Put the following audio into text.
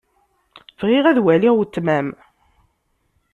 Bɣiɣ ad waliɣ weltma-m.